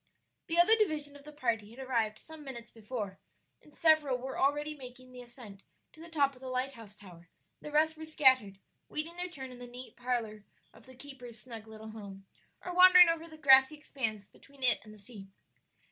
The other division of the party had arrived some minutes before, and several were already making the ascent to the top of the lighthouse tower; the rest were scattered, waiting their turn in the neat parlor of the keeper's snug little home, or wandering over the grassy expanse between it and the sea.